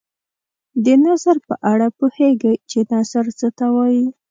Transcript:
د نثر په اړه پوهیږئ چې نثر څه ته وايي.